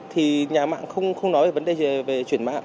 thì nhà mạng không nói về vấn đề về chuyển mạng